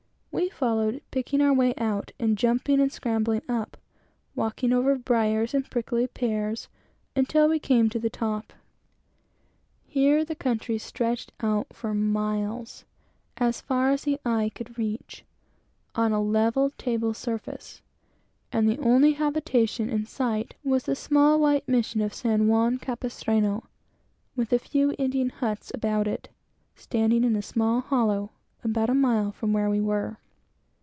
We followed, picking our way out, and jumping and scrambling up, walking over briers and prickly pears, until we came to the top. Here the country stretched out for miles as far as the eye could reach, on a level, table surface; and the only habitation in sight was the small white mission of San Juan Capistrano, with a few Indian huts about it, standing in a small hollow, about a mile from where we were.